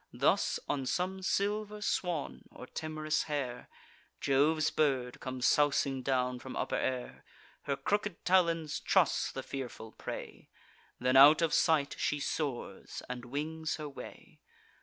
Thus on some silver swan, or tim'rous hare, Jove's bird comes sousing down from upper air; Her crooked talons truss the fearful prey: Then out of sight she soars, and wings her way.